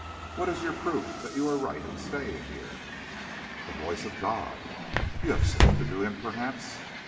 "What is your proof that you are right in staying here?" "The voice of God." "You have spoken to Him, perhaps?"